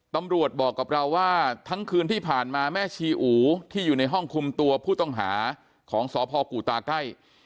ตำรวจบอกกับเราว่าทั้งคืนที่ผ่านมาแม่ชีอูที่อยู่ในห้องคุมตัวผู้ต้องหาของสพกูตาใกล้